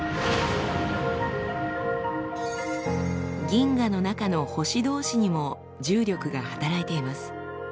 銀河の中の星同士にも重力が働いています。